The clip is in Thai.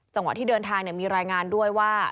ที่เดินทางมีรายงานด้วยว่า